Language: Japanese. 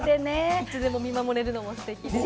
いつでも見守れるのもステキですよね。